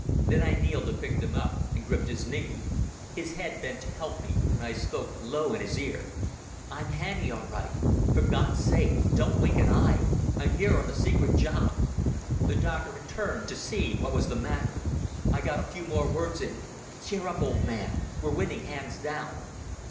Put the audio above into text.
Then I kneeled to pick them up and gripped his knee. His head bent to help me and I spoke low in his ear. "I'm Hannay all right. For God's sake don't wink an eye. I'm here on a secret job." The doctor had turned to see what was the matter. I got a few more words in. "Cheer up, old man. We're winning hands down."